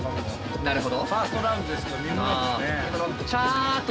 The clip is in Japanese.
なるほど。